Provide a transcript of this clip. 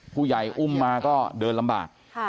ผู้ใหญ่อุ้มมาก็เดินลำบาก